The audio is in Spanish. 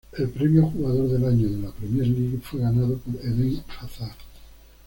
El premio Jugador del Año de la Premier League fue ganado por Eden Hazard.